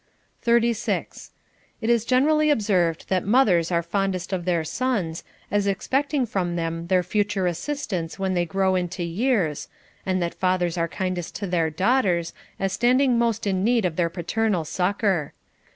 36. It is generally observed that mothers are fondest of their sons, as expecting from them their future assistance 500 CONJUGAL PRECEPTS. when they grow into years, and that fathers are kindest to their daughters, as standing most in need of their paternal succor.